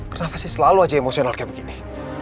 kenapa sih selalu aja emosional kayak begini